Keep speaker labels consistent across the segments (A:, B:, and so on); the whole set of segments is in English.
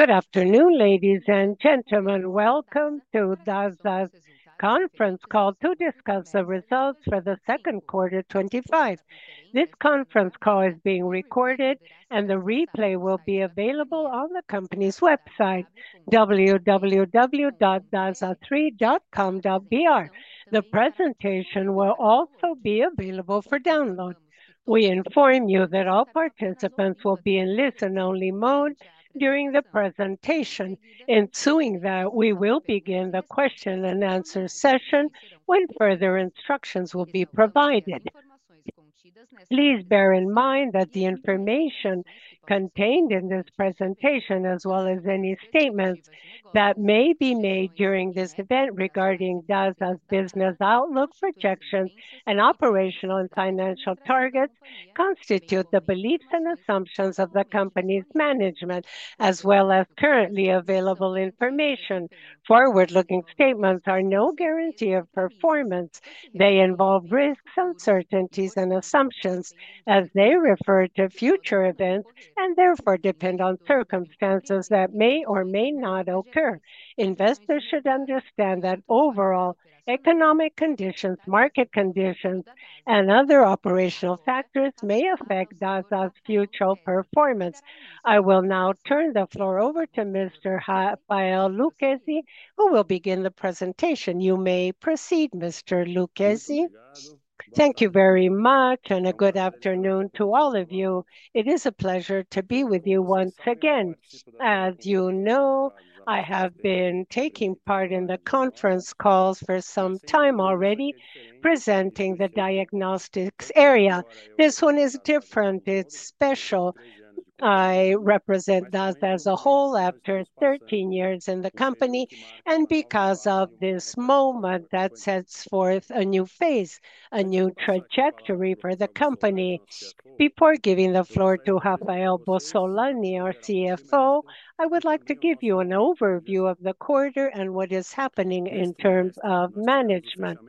A: Good afternoon, ladies and gentlemen. Welcome to DASA's conference call to discuss the results for the second quarter 2025. This conference call is being recorded, and the replay will be available on the company's website, www.dasa3.com.br. The presentation will also be available for download. We inform you that all participants will be in listen-only mode during the presentation, ensuring that we will begin the question and answer session when further instructions will be provided. Please bear in mind that the information contained in this presentation, as well as any statements that may be made during this event regarding DASA's business outlook, projections, and operational and financial targets, constitute the beliefs and assumptions of the company's management, as well as currently available information. Forward-looking statements are no guarantee of performance. They involve risks, uncertainties, and assumptions as they refer to future events and therefore depend on circumstances that may or may not occur. Investors should understand that overall economic conditions, market conditions, and other operational factors may affect DASA's future performance. I will now turn the floor over to Mr. Rafael Lucchesi, who will begin the presentation. You may proceed, Mr. Lucchesi.
B: Thank you very much, and a good afternoon to all of you. It is a pleasure to be with you once again. As you know, I have been taking part in the conference calls for some time already, presenting the diagnostics area. This one is different. It's special. I represent DASA as a whole after 13 years in the company, and because of this moment, that sets forth a new phase, a new trajectory for the company. Before giving the floor to Rafael Bossolani, our CFO, I would like to give you an overview of the quarter and what is happening in terms of management.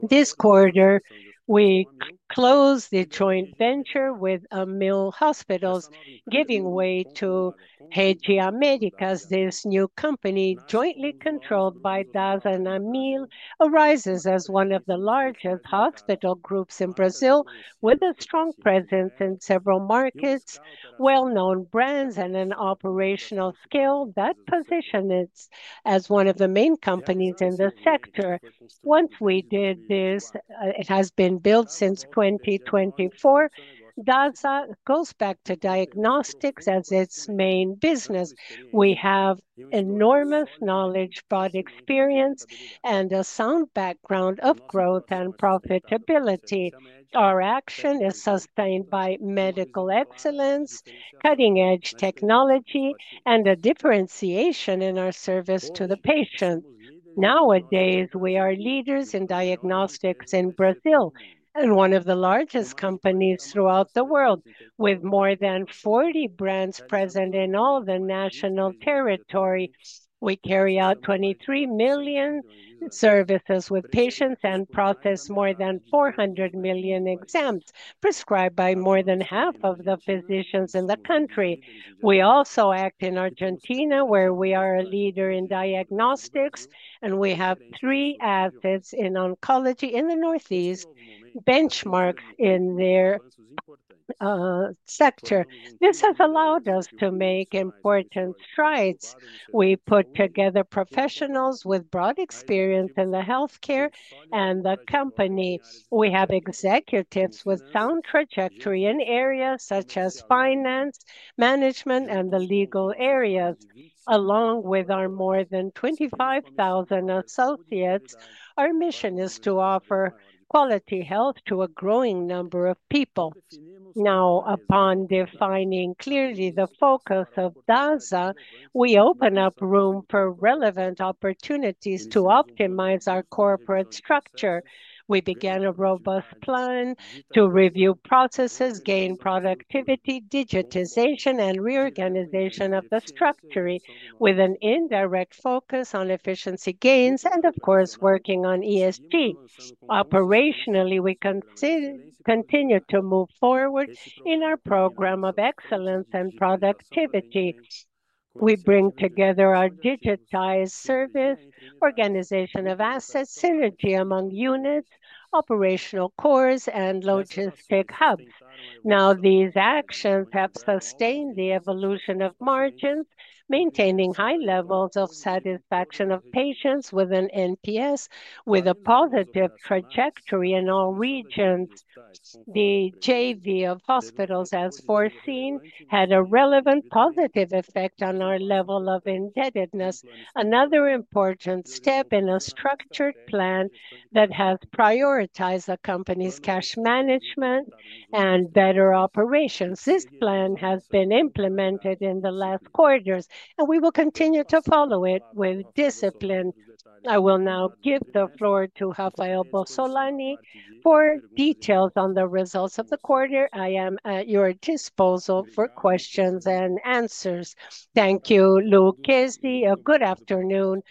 B: This quarter, we closed the joint venture with AMIL Hospitals, giving way to Rede Américas. This new company, jointly controlled by DASA and AMIL, arises as one of the largest hospital groups in Brazil, with a strong presence in several markets, well-known brands, and an operational scale that positions it as one of the main companies in the sector. Once we did this, it has been built since 2024. DASA goes back to diagnostics as its main business. We have enormous knowledge, broad experience, and a sound background of growth and profitability. Our action is sustained by medical excellence, cutting-edge technology, and a differentiation in our service to the patient. Nowadays, we are leaders in diagnostics in Brazil and one of the largest companies throughout the world, with more than 40 brands present in all the national territory. We carry out 23 million services with patients and process more than 400 million exams prescribed by more than half of the physicians in the country. We also act in Argentina, where we are a leader in diagnostics, and we have three assets in oncology in the Northeast, benchmarks in their sector. This has allowed us to make important strides. We put together professionals with broad experience in healthcare and the company. We have executives with sound trajectory in areas such as finance, management, and the legal areas. Along with our more than 25,000 associates, our mission is to offer quality health to a growing number of people. Now, upon defining clearly the focus of DASA, we open up room for relevant opportunities to optimize our corporate structure. We began a robust plan to review processes, gain productivity, digitization, and reorganization of the structure, with an indirect focus on efficiency gains and, of course, working on ESG. Operationally, we continue to move forward in our program of excellence and productivity. We bring together our digitized service, organization of assets, synergy among units, operational cores, and logistic hubs. Now, these actions have sustained the evolution of margins, maintaining high levels of satisfaction of patients with an NPS with a positive trajectory in all regions. The JV of hospitals, as foreseen, had a relevant positive effect on our level of indebtedness, another important step in a structured plan that has prioritized the company's cash management and better operations. This plan has been implemented in the last quarters, and we will continue to follow it with discipline. I will now give the floor to Rafael Bossolani for details on the results of the quarter. I am at your disposal for questions and answers.
C: Thank you, Lucchesi. A good afternoon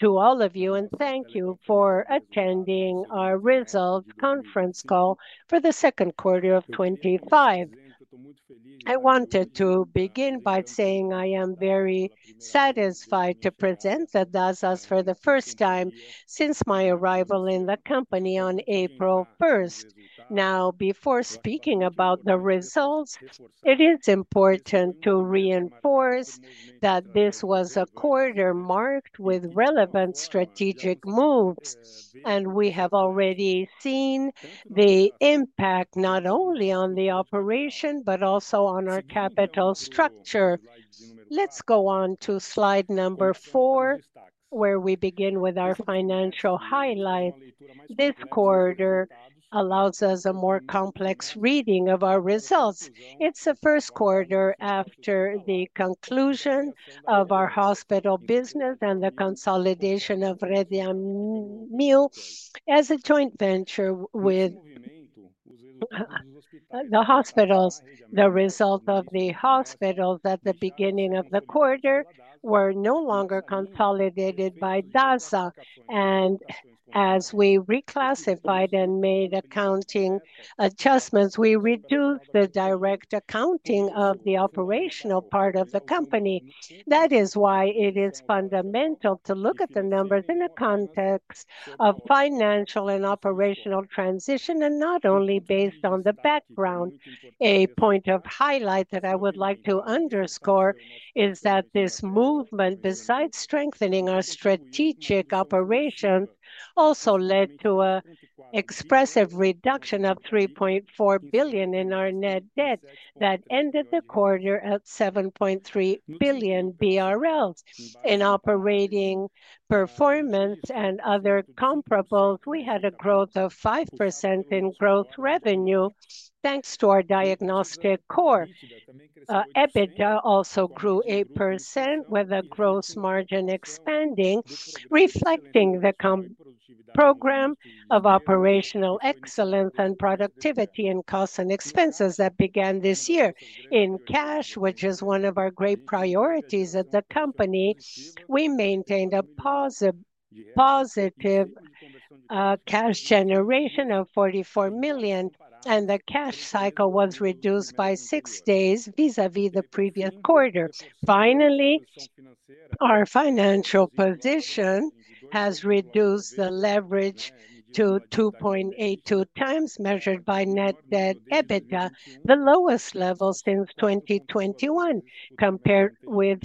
C: to all of you, and thank you for attending our results conference call for the second quarter of 2025. I wanted to begin by saying I am very satisfied to present that DASA is for the first time since my arrival in the company on April 1. Now, before speaking about the results, it is important to reinforce that this was a quarter marked with relevant strategic moves, and we have already seen the impact not only on the operation but also on our capital structure. Let's go on to slide number four, where we begin with our financial highlight. This quarter allows us a more complex reading of our results. It's the first quarter after the conclusion of our hospital business and the consolidation of Rede Américas as a joint venture with the hospitals. The results of the hospitals at the beginning of the quarter were no longer consolidated by DASA, and as we reclassified and made accounting adjustments, we reduced the direct accounting of the operational part of the company. That is why it is fundamental to look at the numbers in the context of financial and operational transition, and not only based on the background. A point of highlight that I would like to underscore is that this movement, besides strengthening our strategic operations, also led to an expressive reduction of 3.4 billion in our net debt that ended the quarter at 7.3 billion BRL. In operating performance and other comparables, we had a growth of 5% in gross revenue, thanks to our diagnostic core. EBITDA also grew 8% with a gross margin expanding, reflecting the program of operational excellence and productivity in costs and expenses that began this year. In cash, which is one of our great priorities at the company, we maintained a positive cash generation of 44 million, and the cash cycle was reduced by six days vis-à-vis the previous quarter. Finally, our financial position has reduced the leverage to 2.82x, measured by net debt/EBITDA, the lowest level since 2021, compared with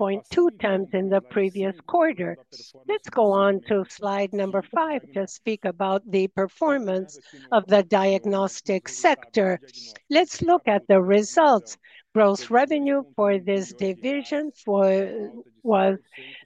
C: 4.2x in the previous quarter. Let's go on to slide number five to speak about the performance of the diagnostics sector. Let's look at the results. Gross revenue for this division was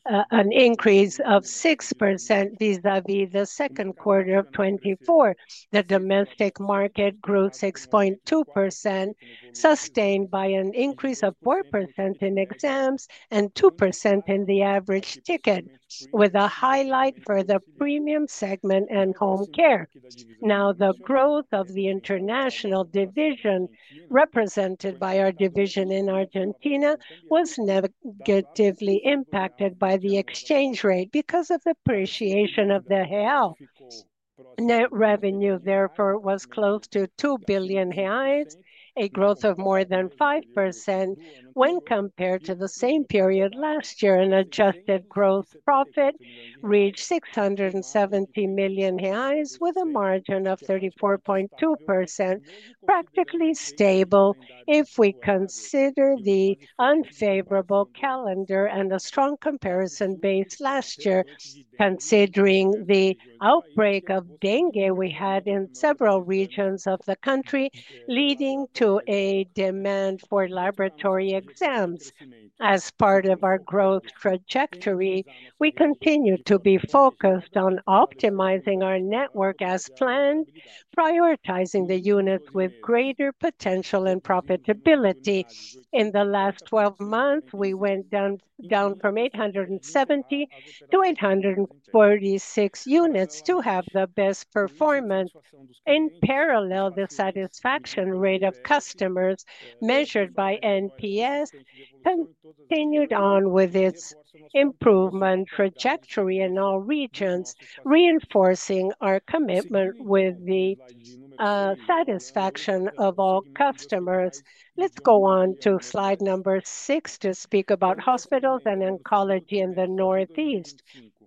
C: an increase of 6% vis-à-vis the second quarter of 2024. The domestic market grew 6.2%, sustained by an increase of 4% in exams and 2% in the average ticket, with a highlight for the premium segment and home care. Now, the growth of the international division, represented by our division in Argentina, was negatively impacted by the exchange rate because of the appreciation of the real. Net revenue, therefore, was close to 2 billion reais, a growth of more than 5% when compared to the same period last year, and adjusted gross profit reached 670 million reais, with a margin of 34.2%, practically stable if we consider the unfavorable calendar and a strong comparison base last year, considering the outbreak of dengue we had in several regions of the country, leading to a demand for laboratory exams. As part of our growth trajectory, we continue to be focused on optimizing our network as planned, prioritizing the units with greater potential and profitability. In the last 12 months, we went down from 870-846 units to have the best performance. In parallel, the satisfaction rate of customers, measured by NPS, continued on with its improvement trajectory in all regions, reinforcing our commitment with the satisfaction of all customers. Let's go on to slide number six to speak about hospitals and oncology in the Northeast.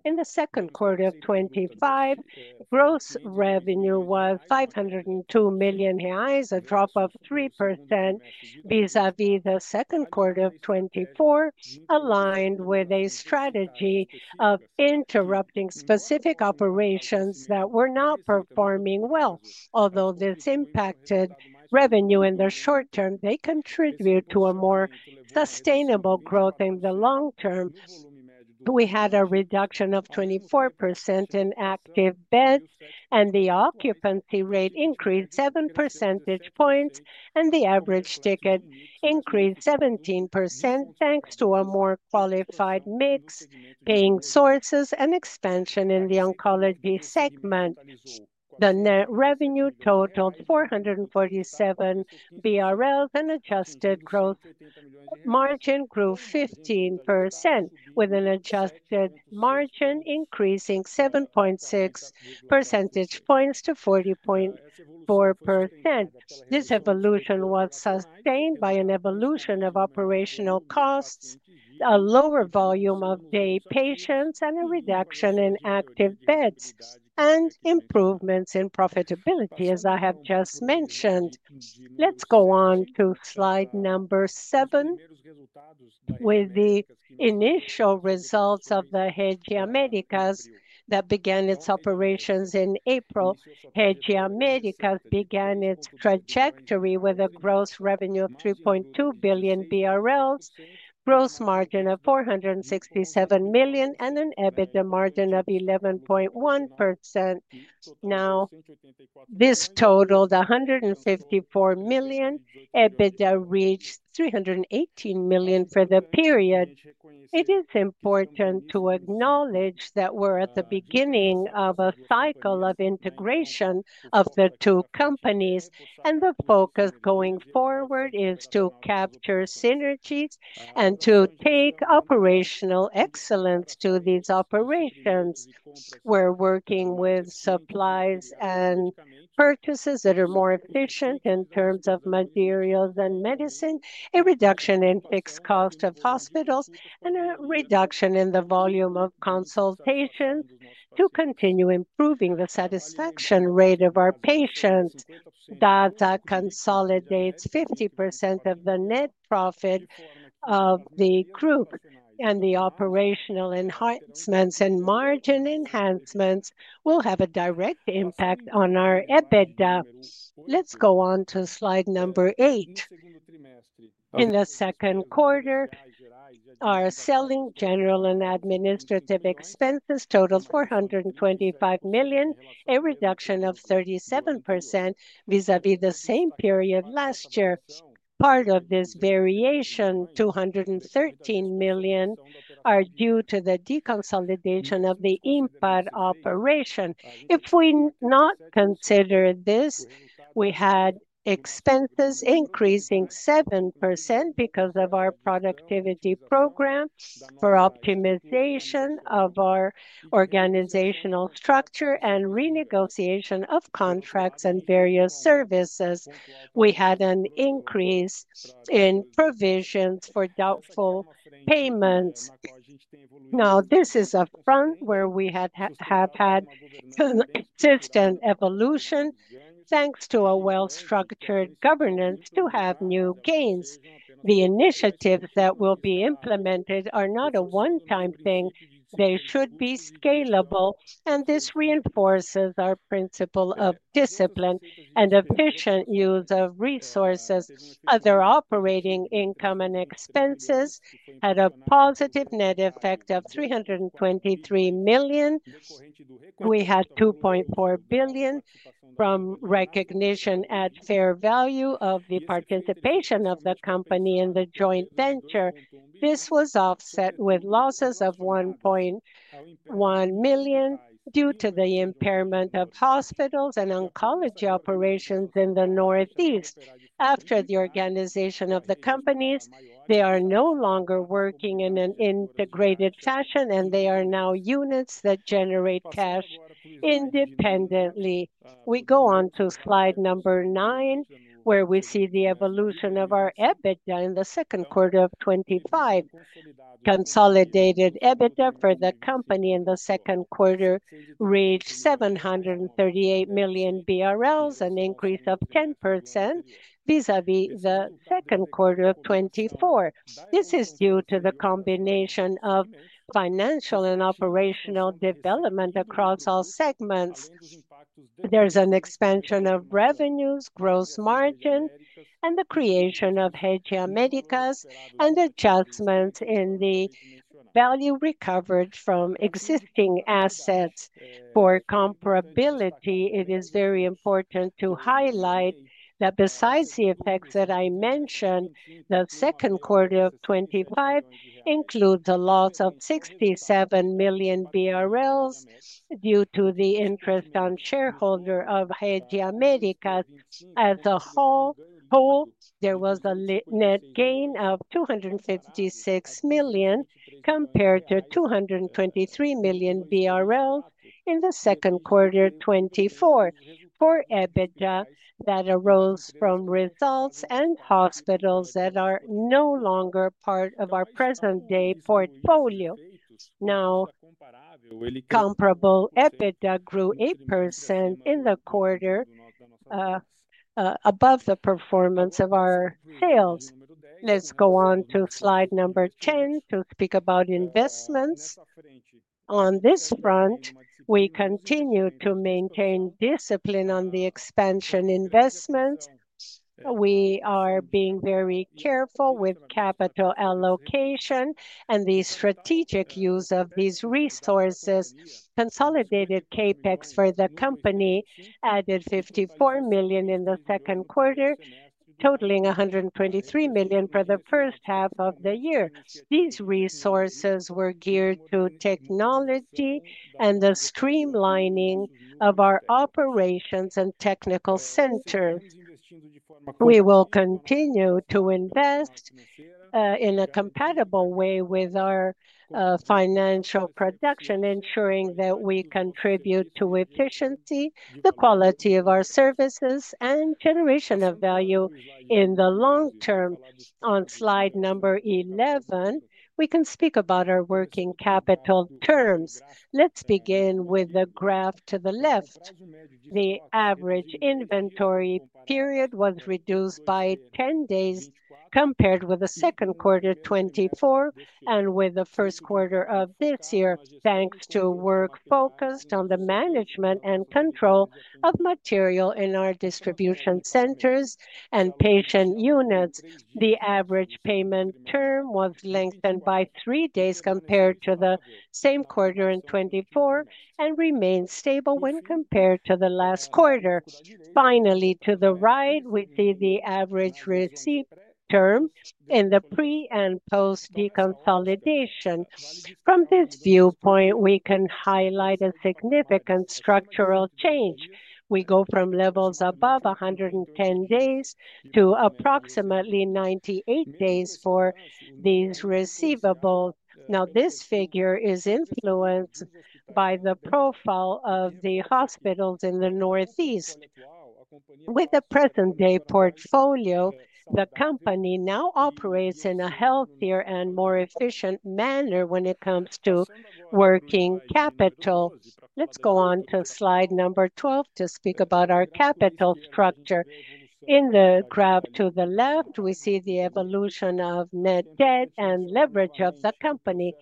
C: In the second quarter of 2025, gross revenue was 502 million reais, a drop of 3% vis-à-vis the second quarter of 2024, aligned with a strategy of interrupting specific operations that were not performing well. Although this impacted revenue in the short term, they contribute to a more sustainable growth in the long term. We had a reduction of 24% in active beds, and the occupancy rate increased 7 percentage points, and the average ticket increased 17%, thanks to a more qualified mix, paying sources, and expansion in the oncology segment. The net revenue totaled 447 million BRL, and adjusted gross margin grew 15%, with an adjusted margin increasing 7.6 percentage points to 40.4%. This evolution was sustained by an evolution of operational costs, a lower volume of day patients, and a reduction in active beds, and improvements in profitability, as I have just mentioned. Let's go on to slide number seven, with the initial results of the Rede Américas that began its operations in April. Rede Américas began its trajectory with a gross revenue of 3.2 billion BRL, gross margin of 467 million, and an EBITDA margin of 11.1%. Now, this totaled 154 million. EBITDA reached 318 million for the period. It is important to acknowledge that we're at the beginning of a cycle of integration of the two companies, and the focus going forward is to capture synergies and to take operational excellence to these operations. We're working with supplies and purchases that are more efficient in terms of materials and medicine, a reduction in fixed costs of hospitals, and a reduction in the volume of consultations to continue improving the satisfaction rate of our patients. DASA consolidates 50% of the net profit of the group, and the operational enhancements and margin enhancements will have a direct impact on our EBITDA. Let's go on to slide number eight. In the second quarter, our selling, general, and administrative expenses totaled 425 million, a reduction of 37% vis-à-vis the same period last year. Part of this variation, 213 million, is due to the deconsolidation of the EMPAD operation. If we do not consider this, we had expenses increasing 7% because of our productivity program for optimization of our organizational structure and renegotiation of contracts and various services. We had an increase in provisions for doubtful payments. This is a front where we have had consistent evolution, thanks to a well-structured governance to have new gains. The initiatives that will be implemented are not a one-time thing. They should be scalable, and this reinforces our principle of discipline and efficient use of resources. Other operating income and expenses had a positive net effect of 323 million. We had 2.4 billion from recognition at fair value of the participation of the company in the joint venture. This was offset with losses of 1.1 million due to the impairment of hospitals and oncology operations in the Northeast. After the organization of the companies, they are no longer working in an integrated fashion, and they are now units that generate cash independently. We go on to slide number nine, where we see the evolution of our EBITDA in the second quarter of 2025. Consolidated EBITDA for the company in the second quarter reached 738 million BRL, an increase of 10% vis-à-vis the second quarter of 2024. This is due to the combination of financial and operational development across all segments. There's an expansion of revenues, gross margin, and the creation of Rede Américas, and adjustments in the value recovered from existing assets. For comparability, it is very important to highlight that besides the effects that I mentioned, the second quarter of 2025 includes a loss of 67 million BRL due to the interest on shareholders of Rede Américas. As a whole, there was a net gain of 256 million compared to 223 million BRL in the second quarter of 2024. For EBITDA that arose from results and hospitals that are no longer part of our present-day portfolio. Now, comparable EBITDA grew 8% in the quarter above the performance of our sales. Let's go on to slide number 10 to speak about investments. On this front, we continue to maintain discipline on the expansion investments. We are being very careful with capital allocation and the strategic use of these resources. Consolidated CapEx for the company added 54 million in the second quarter, totaling 123 million for the first half of the year. These resources were geared to technology and the streamlining of our operations and technical center. We will continue to invest in a compatible way with our financial production, ensuring that we contribute to efficiency, the quality of our services, and generation of value in the long term. On slide number 11, we can speak about our working capital terms. Let's begin with the graph to the left. The average inventory period was reduced by 10 days compared with the second quarter of 2024 and with the first quarter of this year, thanks to work focused on the management and control of material in our distribution centers and patient units. The average payment term was lengthened by three days compared to the same quarter in 2024 and remains stable when compared to the last quarter. Finally, to the right, we see the average receipt term in the pre and post-deconsolidation. From this viewpoint, we can highlight a significant structural change. We go from levels above 110 days to approximately 98 days for these receivables. Now, this figure is influenced by the profile of the hospitals in the Northeast. With the present-day portfolio, the company now operates in a healthier and more efficient manner when it comes to working capital. Let's go on to slide number 12 to speak about our capital structure. In the graph to the left, we see the evolution of net debt and leverage of the company.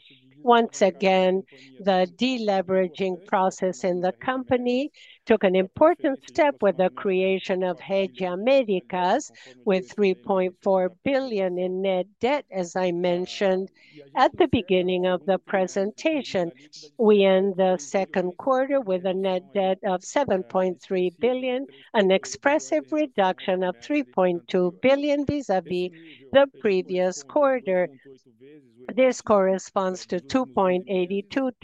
C: Once again, the deleveraging process in the company took an important step with the creation of Rede Américas, with 3.4 billion in net debt, as I mentioned at the beginning of the presentation. We end the second quarter with a net debt of 7.3 billion, an expressive reduction of 3.2 billion vis-à-vis the previous quarter. This corresponds to 2.82x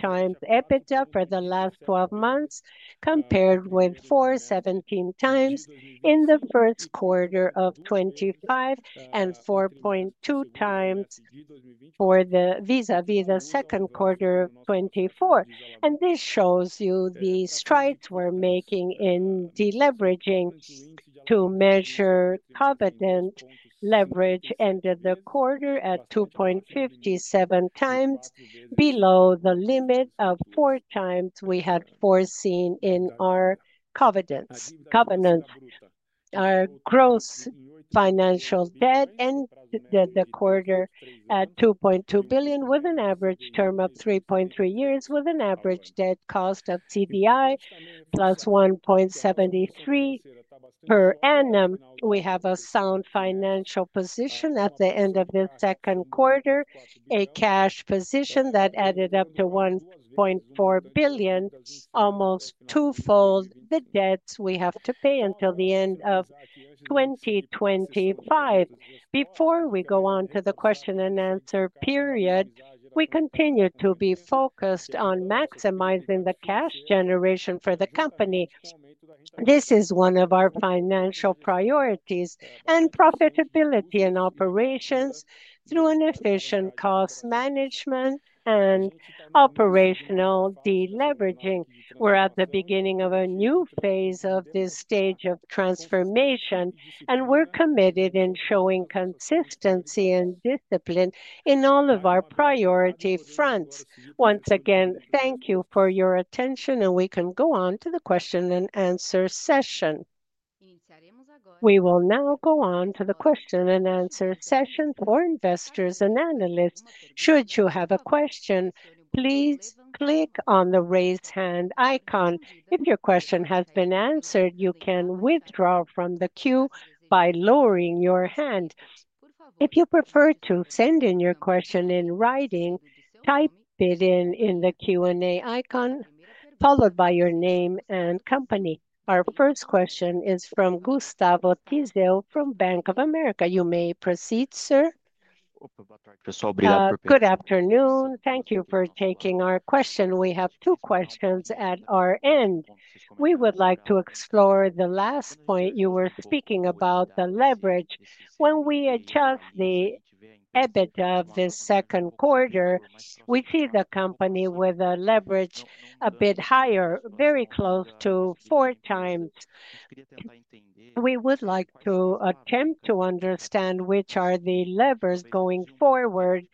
C: EBITDA for the last 12 months compared with 4.17x in the first quarter of 2025 and 4.2x vis-à-vis the second quarter of 2024. This shows you the strides we're making in deleveraging to measure coveted leverage. Ended the quarter at 2.57x, below the limit of 4x we had foreseen in our covenants. Our gross financial debt ended the quarter at 2.2 billion with an average term of 3.3 years, with an average debt cost of CDI plus 1.73% per annum. We have a sound financial position at the end of the second quarter, a cash position that added up to 1.4 billion, almost twofold the debts we have to pay until the end of 2025. Before we go on to the question and answer period, we continue to be focused on maximizing the cash generation for the company. This is one of our financial priorities and profitability in operations through an efficient cost management and operational deleveraging. We're at the beginning of a new phase of this stage of transformation, and we're committed in showing consistency and discipline in all of our priority fronts. Once again, thank you for your attention, and we can go on to the question and answer session. We will now go on to the question and answer session for investors and analysts. Should you have a question, please click on the raise hand icon. If your question has been answered, you can withdraw from the queue by lowering your hand. If you prefer to send in your question in writing, type it in in the Q&A icon followed by your name and company. Our first question is from Gustavo Tiseo from Bank of America. You may proceed, sir.
D: Good afternoon. Thank you for taking our question. We have two questions at our end. We would like to explore the last point you were speaking about, the leverage. When we adjust the EBITDA of this second quarter, we see the company with a leverage a bit higher, very close to 4x. We would like to attempt to understand which are the levers going forward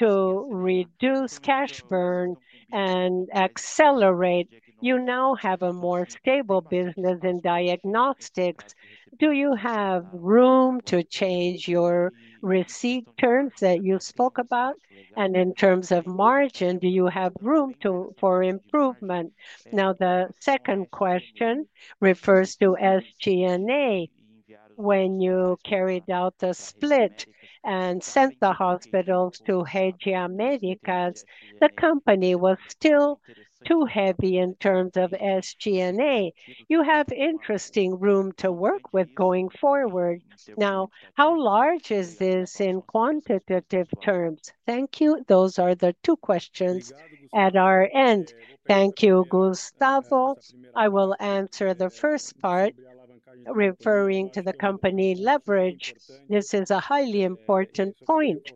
D: to reduce cash burn and accelerate. You now have a more stable business in diagnostics. Do you have room to change your receipt terms that you spoke about? In terms of margin, do you have room for improvement? The second question refers to SG&A. When you carried out the split and sent the hospitals to Rede Américas, the company was still too heavy in terms of SG&A. You have interesting room to work with going forward. How large is this in quantitative terms? Thank you.
C: Those are the two questions at our end. Thank you, Gustavo. I will answer the first part, referring to the company leverage. This is a highly important point.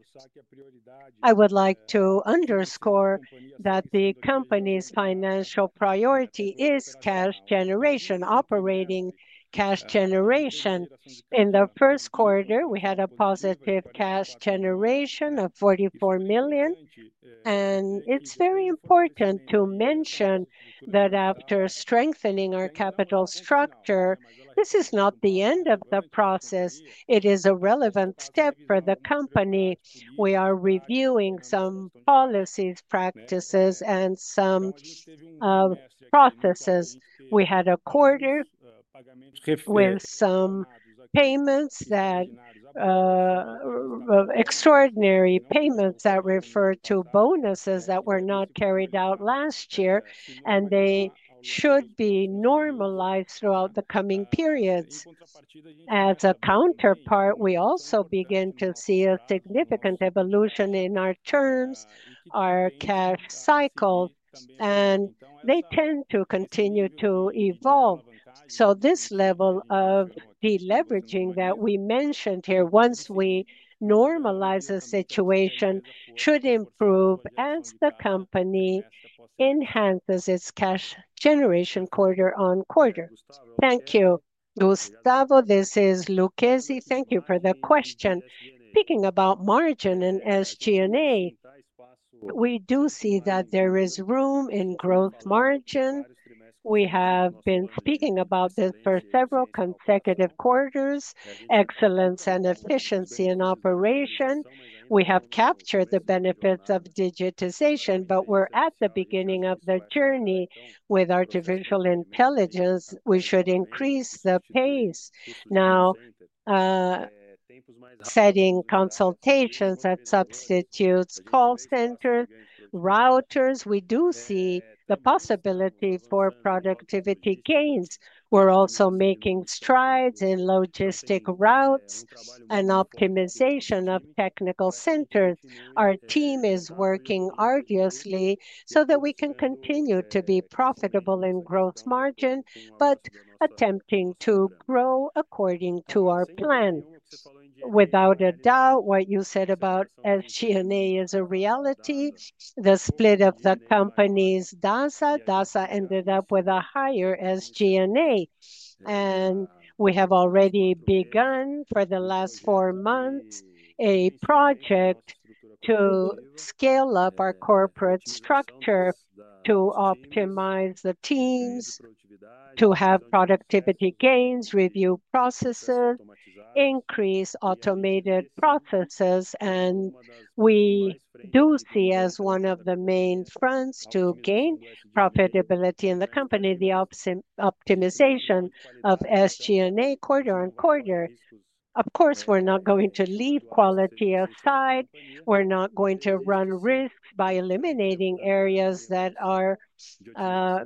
C: I would like to underscore that the company's financial priority is cash generation, operating cash generation. In the first quarter, we had a positive cash generation of 44 million, and it's very important to mention that after strengthening our capital structure, this is not the end of the process. It is a relevant step for the company. We are reviewing some policies, practices, and some processes. We had a quarter with some extraordinary payments that refer to bonuses that were not carried out last year, and they should be normalized throughout the coming periods. As a counterpart, we also begin to see a significant evolution in our terms, our cash cycle, and they tend to continue to evolve. This level of deleveraging that we mentioned here, once we normalize the situation, should improve as the company enhances its cash generation quarter on quarter.
B: Thank you, Gustavo. This is Lucchesi. Thank you for the question. Speaking about margin and SG&A, we do see that there is room in growth margin. We have been speaking about this for several consecutive quarters, excellence and efficiency in operation. We have captured the benefits of digitization, but we're at the beginning of the journey with artificial intelligence. We should increase the pace. Now, setting consultations that substitute call centers, routers, we do see the possibility for productivity gains. We're also making strides in logistic routes and optimization of technical centers. Our team is working arduously so that we can continue to be profitable in growth margin, but attempting to grow according to our plan. Without a doubt, what you said about SG&A is a reality. The split of the companies DASA, DASA ended up with a higher SG&A, and we have already begun for the last four months a project to scale up our corporate structure to optimize the teams, to have productivity gains, review processes, increase automated processes, and we do see as one of the main fronts to gain profitability in the company the optimization of SG&A quarter on quarter. Of course, we're not going to leave quality aside. We're not going to run risks by eliminating areas that are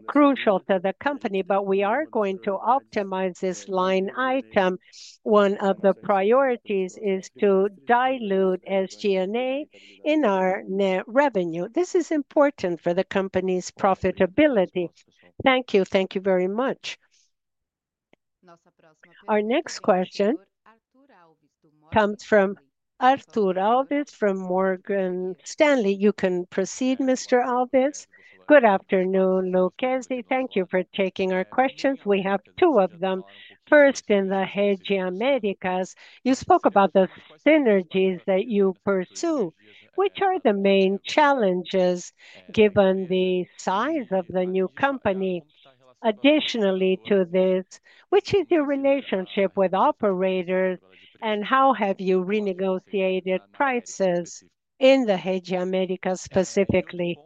B: crucial to the company, but we are going to optimize this line item. One of the priorities is to dilute SG&A in our net revenue. This is important for the company's profitability. Thank you.
C: Thank you very much. Our next question comes from Artur Alves from Morgan Stanley. You can proceed, Mr. Alves.
E: Good afternoon, Lucchesi. Thank you for taking our questions. We have two of them. First, in the Rede Américas, you spoke about the synergies that you pursue. Which are the main challenges given the size of the new company? Additionally to this, which is your relationship with operators, and how have you renegotiated prices in the Rede Américas specifically?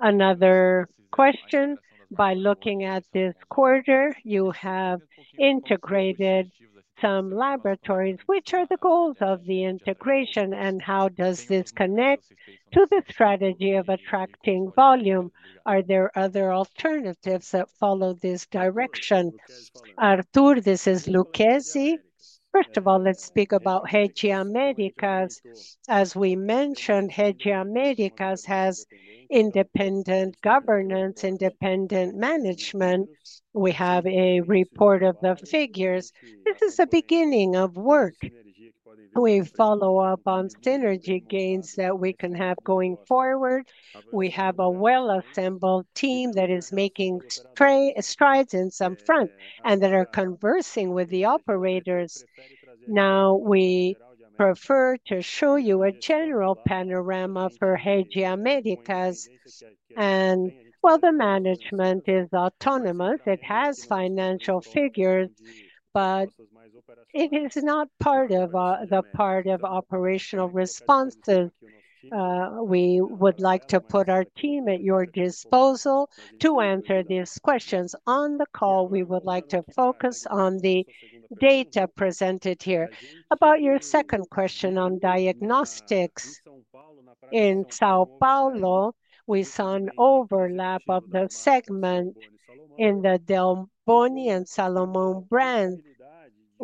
E: Another question. By looking at this quarter, you have integrated some laboratories. Which are the goals of the integration, and how does this connect to the strategy of attracting volume? Are there other alternatives that follow this direction?
B: Artur, this is Lucchesi. First of all, let's speak about Rede Américas. As we mentioned, Rede Américas has independent governance, independent management. We have a report of the figures. This is the beginning of work. We follow up on synergy gains that we can have going forward. We have a well-assembled team that is making strides in some fronts and that are conversing with the operators. Now, we prefer to show you a general panorama for Rede Américas. While the management is autonomous, it has financial figures, but it is not part of the operational responses. We would like to put our team at your disposal to answer these questions. On the call, we would like to focus on the data presented here. About your second question on diagnostics, in São Paulo, we saw an overlap of the segment in the Del Boni and Salomon brands,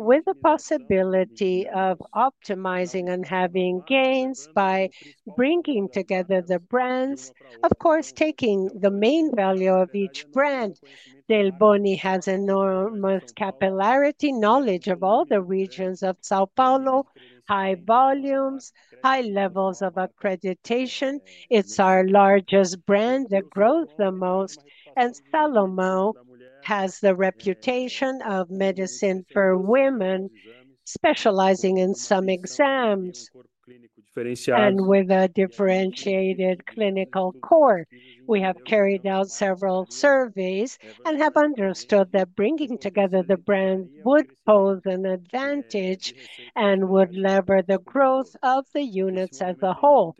B: with the possibility of optimizing and having gains by bringing together the brands, of course, taking the main value of each brand. Del Boni has enormous capillarity, knowledge of all the regions of São Paulo, high volumes, high levels of accreditation. It's our largest brand that grows the most, and Salomon has the reputation of medicine for women, specializing in some exams, and with a differentiated clinical core. We have carried out several surveys and have understood that bringing together the brand would pose an advantage and would lever the growth of the units as a whole.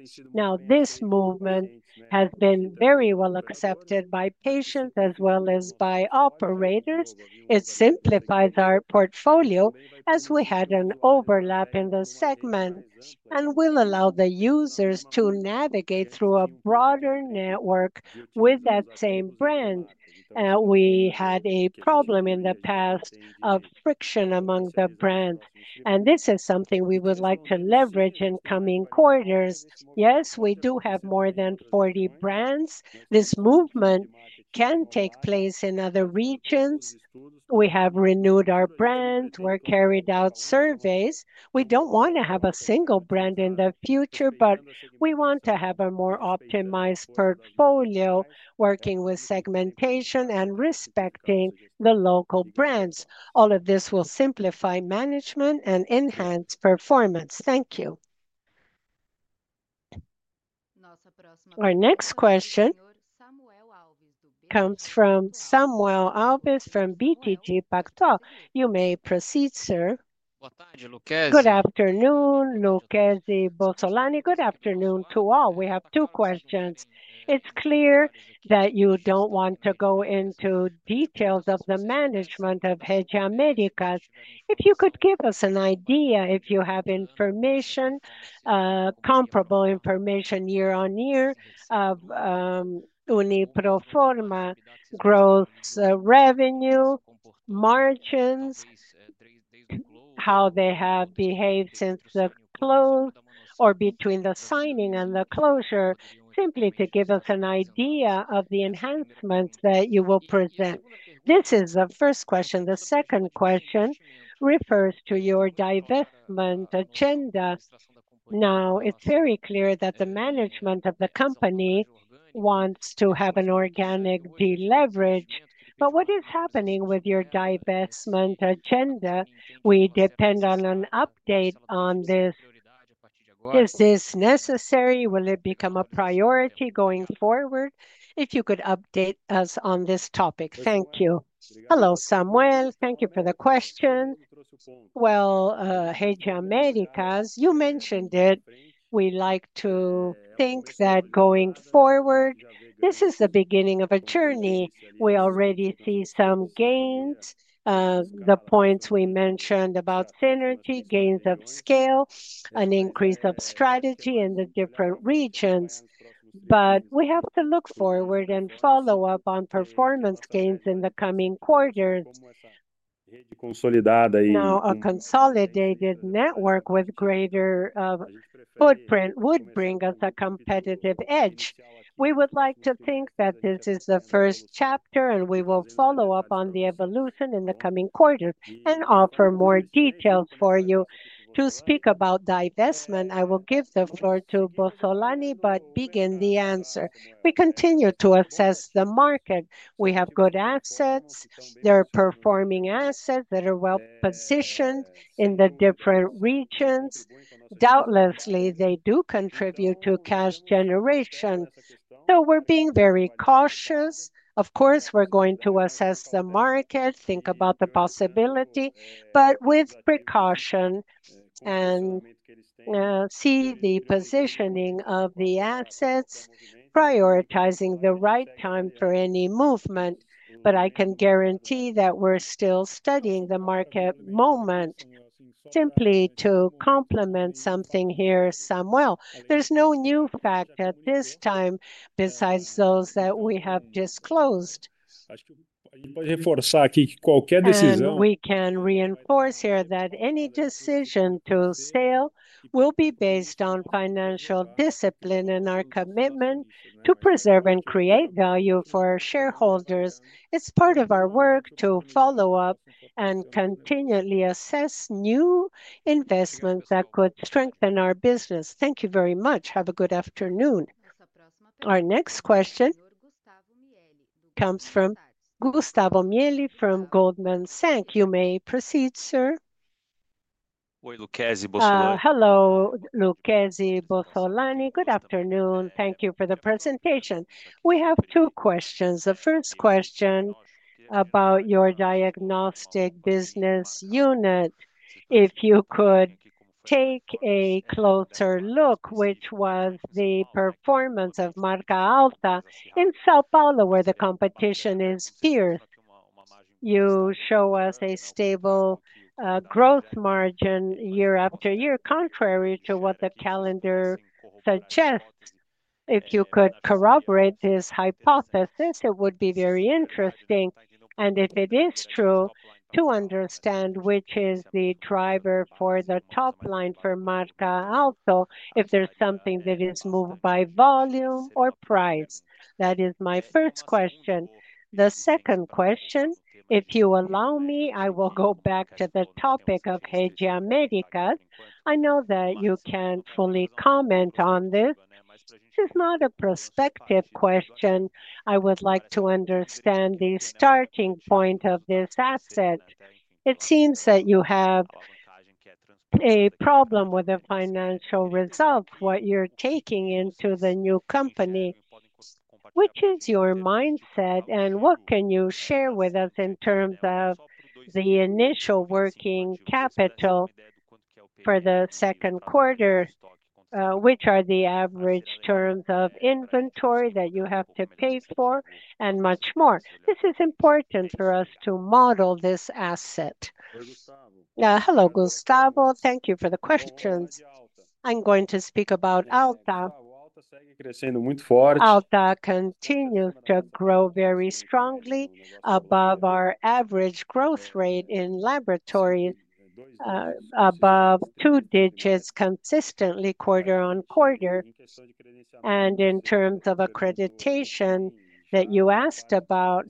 B: This movement has been very well accepted by patients as well as by operators. It simplifies our portfolio as we had an overlap in the segment and will allow the users to navigate through a broader network with that same brand. We had a problem in the past of friction among the brands, and this is something we would like to leverage in coming quarters. Yes, we do have more than 40 brands. This movement can take place in other regions. We have renewed our brand. We've carried out surveys. We don't want to have a single brand in the future, but we want to have a more optimized portfolio, working with segmentation and respecting the local brands. All of this will simplify management and enhance performance. Thank you.
C: Our next question comes from Samuel Alves from BTG Pactual. You may proceed, sir.
F: Good afternoon, Lucchesi, Bossolani. Good afternoon to all. We have two questions. It's clear that you don't want to go into details of the management of Rede Américas. If you could give us an idea if you have information, comparable information year on year of Uniproforma, gross revenue, margins, how they have behaved since the close, or between the signing and the closure, simply to give us an idea of the enhancements that you will present. This is the first question. The second question refers to your divestment agenda. Now, it's very clear that the management of the company wants to have an organic deleverage. What is happening with your divestment agenda? We depend on an update on this. Is this necessary? Will it become a priority going forward? If you could update us on this topic. Thank you.
B: Hello, Samuel. Thank you for the question. Rede Américas, you mentioned it. We like to think that going forward, this is the beginning of a journey. We already see some gains, the points we mentioned about synergy, gains of scale, an increase of strategy in the different regions. We have to look forward and follow up on performance gains in the coming quarters. Now, a consolidated network with greater footprint would bring us a competitive edge. We would like to think that this is the first chapter, and we will follow up on the evolution in the coming quarters and offer more details for you. To speak about divestment, I will give the floor to Bossolani, but begin the answer.
C: We continue to assess the market. We have good assets. They're performing assets that are well positioned in the different regions. Doubtlessly, they do contribute to cash generation. We're being very cautious. Of course, we're going to assess the market, think about the possibility, but with precaution and see the positioning of the assets, prioritizing the right time for any movement. I can guarantee that we're still studying the market moment, simply to complement something here, Samuel. There's no new fact at this time besides those that we have disclosed. We can reinforce here that any decision to sell will be based on financial discipline and our commitment to preserve and create value for shareholders. It's part of our work to follow up and continually assess new investments that could strengthen our business.
F: Thank you very much. Have a good afternoon. Our next question comes from Gustavo Miele from Goldman Sachs. You may proceed, sir.
G: Hello, Lucchesi, Bossolani. Good afternoon. Thank you for the presentation. We have two questions. The first question is about your diagnostic business unit. If you could take a closer look, which was the performance of Marca Alta in São Paulo, where the competition is fierce, you show us a stable growth margin year after year, contrary to what the calendar suggests. If you could corroborate this hypothesis, it would be very interesting, and if it is true, to understand which is the driver for the top line for Marca Alta, if there's something that is moved by volume or price. That is my first question. The second question, if you allow me, I will go back to the topic of Rede Américas. I know that you can't fully comment on this. This is not a prospective question. I would like to understand the starting point of this asset. It seems that you have a problem with the financial results, what you're taking into the new company. Which is your mindset, and what can you share with us in terms of the initial working capital for the second quarter? Which are the average terms of inventory that you have to pay for, and much more? This is important for us to model this asset.
B: Now, hello, Gustavo. Thank you for the questions. I'm going to speak about Alta. Alta continues to grow very strongly, above our average growth rate in laboratories, above two digits consistently quarter on quarter. In terms of accreditation that you asked about,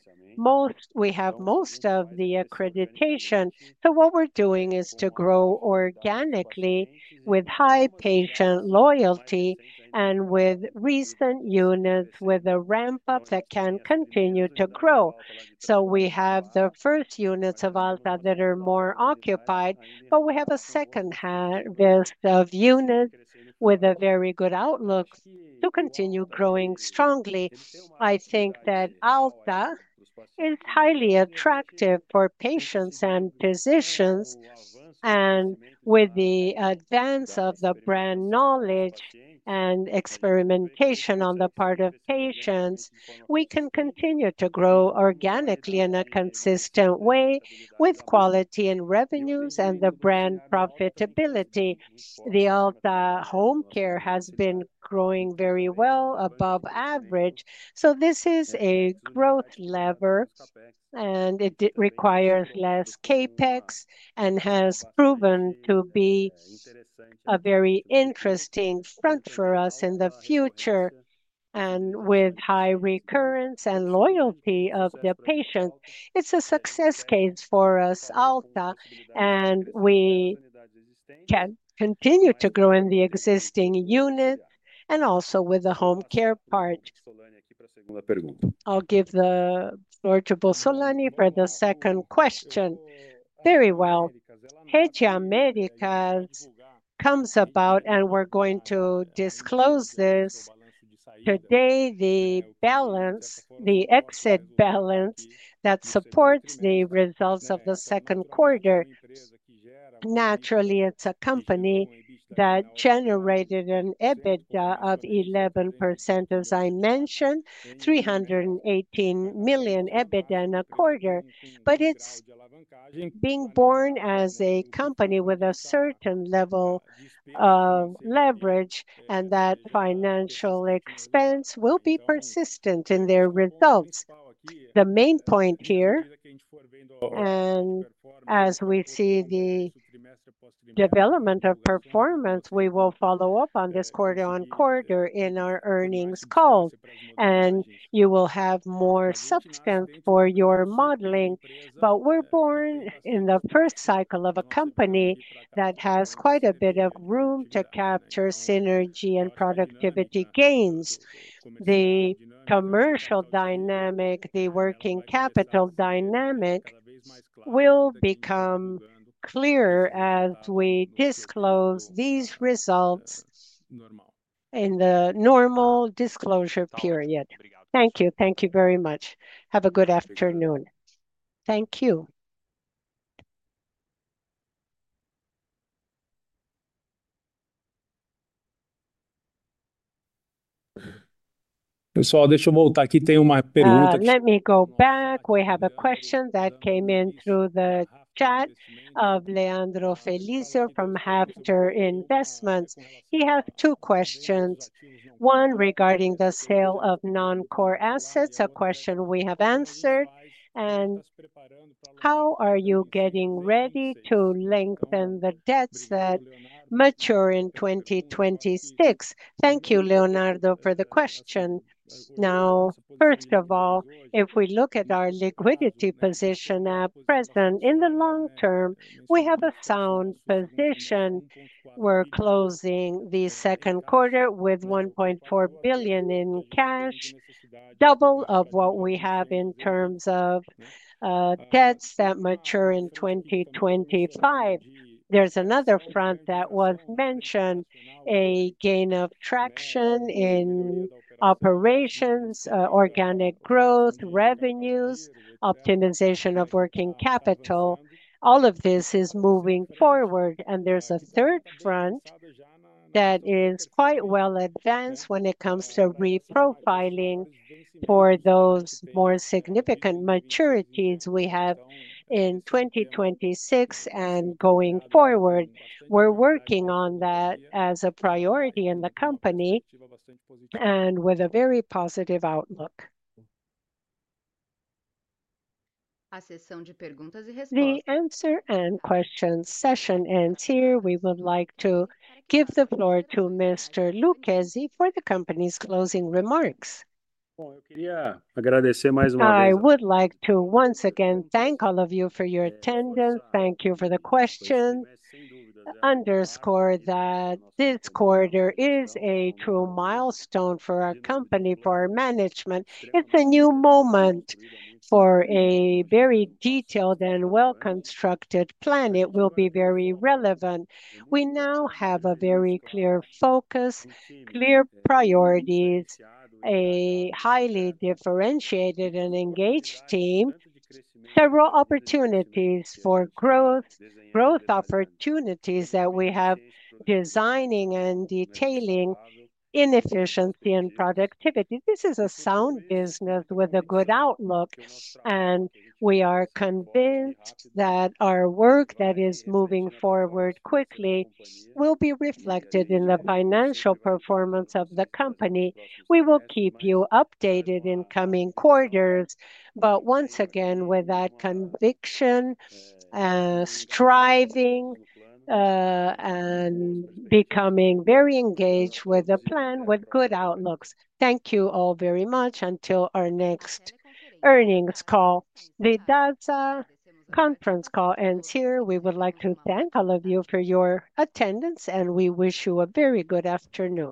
B: we have most of the accreditation. What we're doing is to grow organically with high patient loyalty and with recent units with a ramp-up that can continue to grow. We have the first units of Alta that are more occupied, but we have a second list of units with a very good outlook to continue growing strongly. I think that Alta is highly attractive for patients and physicians, and with the advance of the brand knowledge and experimentation on the part of patients, we can continue to grow organically in a consistent way with quality in revenues and the brand profitability. The Alta home care has been growing very well, above average. This is a growth lever, and it requires less CapEx and has proven to be a very interesting front for us in the future, with high recurrence and loyalty of the patients. It's a success case for us, Alta, and we can continue to grow in the existing unit and also with the home care part. I'll give the floor to Bossolani for the second question. Very well. Rede Américas comes about, and we're going to disclose this.
C: Today, the balance, the exit balance that supports the results of the second quarter, naturally, it's a company that generated an EBITDA of 11%, as I mentioned, 318 million EBITDA in a quarter. It's being born as a company with a certain level of leverage, and that financial expense will be persistent in their results. The main point here, as we see the development of performance, we will follow up on this quarter on quarter in our earnings calls, and you will have more substance for your modeling. We're born in the first cycle of a company that has quite a bit of room to capture synergy and productivity gains. The commercial dynamic, the working capital dynamic will become clear as we disclose these results in the normal disclosure period. Thank you.
G: Thank you very much. Have a good afternoon.
C: Thank you. Let me go back. We have a question that came in through the chat of Leandro Felicio from Hafter Investments. He has two questions. One regarding the sale of non-core assets, a question we have answered, and how are you getting ready to lengthen the debts that mature in 2026? Thank you, Leandro, for the question. Now, first of all, if we look at our liquidity position at present, in the long term, we have a sound position. We're closing the second quarter with 1.4 billion in cash, double what we have in terms of debts that mature in 2025. There's another front that was mentioned, a gain of traction in operations, organic growth, revenues, optimization of working capital. All of this is moving forward, and there's a third front that is quite well advanced when it comes to reprofiling for those more significant maturities we have in 2026 and going forward. We're working on that as a priority in the company and with a very positive outlook. The answer and question session ends here. We would like to give the floor to Mr. Lucchesi for the company's closing remarks.
B: I would like to once again thank all of you for your attendance. Thank you for the question. Underscore that this quarter is a true milestone for our company, for our management. It's a new moment for a very detailed and well-constructed plan. It will be very relevant. We now have a very clear focus, clear priorities, a highly differentiated and engaged team, several opportunities for growth, growth opportunities that we have designing and detailing, inefficiency and productivity. This is a sound business with a good outlook, and we are convinced that our work that is moving forward quickly will be reflected in the financial performance of the company. We will keep you updated in coming quarters, once again with that conviction, striving, and becoming very engaged with the plan with good outlooks. Thank you all very much. Until our next earnings call, the DASA conference call ends here. We would like to thank all of you for your attendance, and we wish you a very good afternoon.